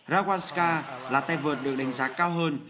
reshwanska là tay vợt được đánh giá cao hơn